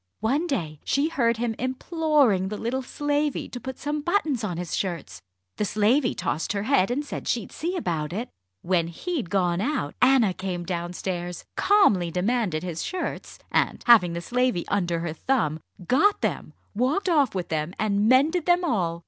One day she heard him imploring the little slavey to put some buttons on his shirts. The slavey tossed her head, and said she'd see about it. When he'd gone out, Anna came downstairs, calmly demanded his shirts, and, having the slavey under her thumb, got them, walked off with them, and mended them all.